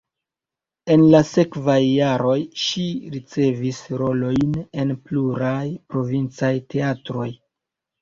En la sekvaj jaroj ŝi ricevis rolojn en pluraj provincaj teatroj.